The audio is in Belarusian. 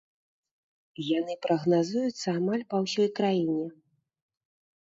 Яны прагназуюцца амаль па ўсёй краіне.